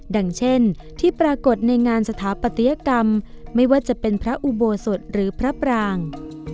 ดังเช่นที่ปรากฏในงานสถาปัตยกรรมไม่ว่าจะเป็นพระอุโบสถหรือพระปราง